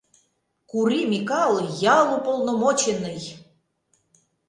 Кури Микал — ял уполномоченный!